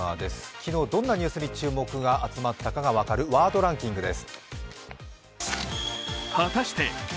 昨日、どんなニュースに注目が集まったかが分かるワードランキングです。